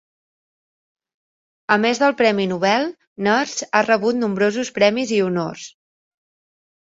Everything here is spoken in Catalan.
A més del Premi Nobel, Nurse ha rebut nombrosos premis i honors.